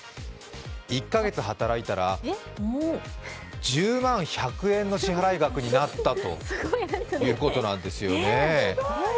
１か月働いたら、１０万１００円の支払額になったということなんですよね。